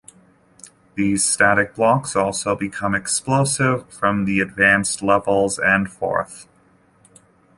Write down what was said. These static blocks also become "explosive" from the advanced levels and forth.